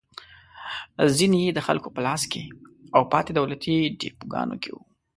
ځینې یې د خلکو په لاس کې او پاتې دولتي ډېپوګانو کې وو.